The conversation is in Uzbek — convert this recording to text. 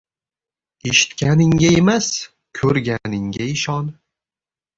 Eshitganingga emas, ko'rganingga ishon.